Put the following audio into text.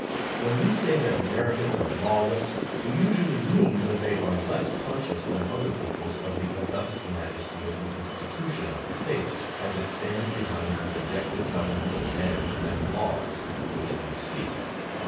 When we say that Americans are lawless, we usually mean that they are less con scious than other peoples of the august majesty of the institution of the State as it stands behind the objective government of men and laws which we see.